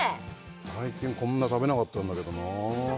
最近こんな食べなかったんだけどなあ